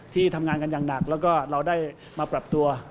ที่ทำงานกันอย่างหนักแล้วก็เราได้มาปรับตัว